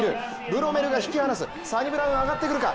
ブロメルが引き離すサニブラウン上がってくるか。